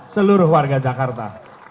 seluruh warga jakarta